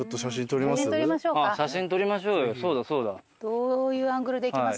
どういうアングルでいきます？